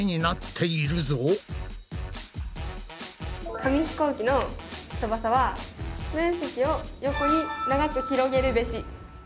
紙ひこうきの翼は面積を横に長く広げるべし。